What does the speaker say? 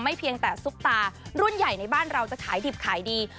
เพียงแต่ซุปตารุ่นใหญ่ในบ้านเราจะขายดิบขายดี